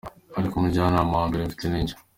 Ariko umujyanama wa mbere mfite ni njye.